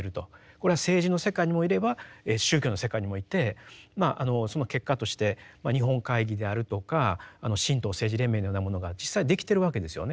これは政治の世界にもいれば宗教の世界にもいてその結果として日本会議であるとか神道政治連盟のようなものが実際できてるわけですよね。